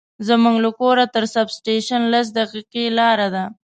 زموږ له کوره تر بس سټېشن لس دقیقې لاره ده.